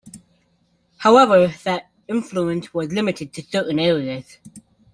However, that influence was limited to certain areas.